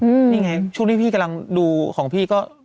นี่ไงช่วงที่พี่กำลังดูของพี่ก็